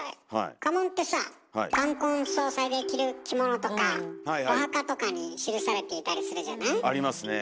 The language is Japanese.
家紋ってさ冠婚葬祭で着る着物とかお墓とかに記されていたりするじゃない？ありますねえ。